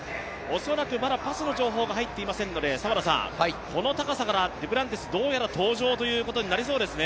恐らくまだパスの情報が入っていませんので、この高さからデュプランティスどうやら登場ということになりそうですね。